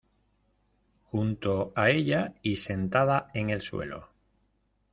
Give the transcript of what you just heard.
Junto a ella y sentada en el suelo.